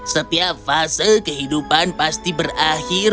setiap fase kehidupan pasti berakhir